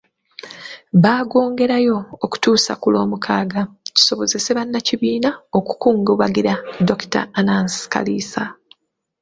Baagwongerayo okutuusa ku Lwomukaaga, kisobozese bannakibiina okukungubagira Dokita Anaas Kaliisa.